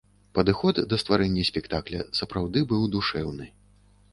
Падыход да стварэння спектакля сапраўды быў душэўны.